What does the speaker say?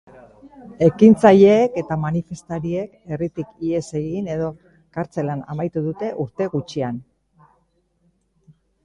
Ekintzaileek eta manifestariek herritik ihes egin edo kartzelan amaitu dute urte gutxian.